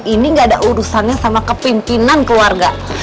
ini gak ada urusannya sama kepimpinan keluarga